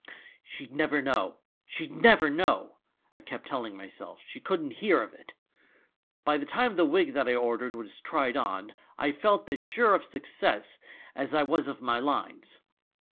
32 THE MAN WHO UNDERSTOOD WOMEN "She'd never know — she'd never know! I kept telling myself she couldn't hear of it. By the time the wig that I ordered was tried on I felt as sure of success as I was of my lines!